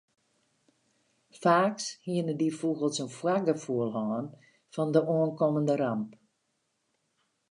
Faaks hiene dy fûgels in foargefoel hân fan de oankommende ramp.